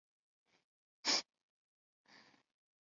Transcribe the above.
阿马加龙的化石是一个相当完整的骨骼。